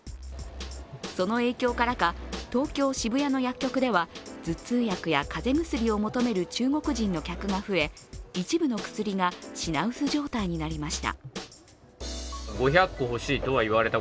その影響からか、東京・渋谷の薬局では頭痛薬や風邪薬を求める中国人の客が増え一部の薬が品薄状態になりました。